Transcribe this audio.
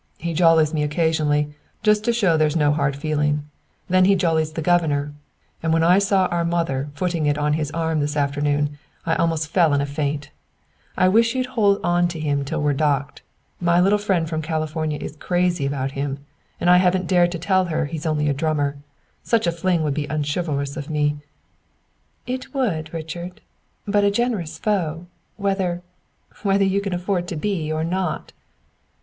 "He jollies me occasionally, just to show there's no hard feeling; then he jollies the governor; and when I saw our mother footing it on his arm this afternoon I almost fell in a faint. I wish you'd hold on to him tight till we're docked. My little friend from California is crazy about him and I haven't dared tell her he's only a drummer; such a fling would be unchivalrous of me " "It would, Richard. Be a generous foe whether whether you can afford to be or not!"